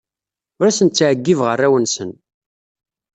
Ur asen-ttɛeyyibeɣ arraw-nsen.